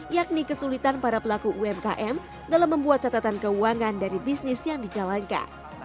yakni kesulitan para pelaku umkm dalam membuat catatan keuangan dari bisnis yang dijalankan